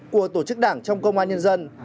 của tổ chức đảng trong công an nhân dân